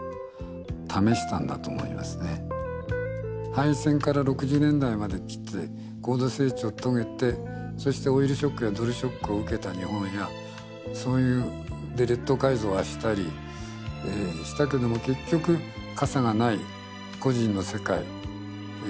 敗戦から６０年代まできて高度成長を遂げてそしてオイルショックやドルショックを受けた日本やそういう列島改造はしたりしたけども結局傘がない個人の世界。